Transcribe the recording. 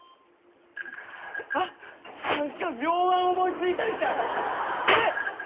あっ何か妙案思い付いたみたい。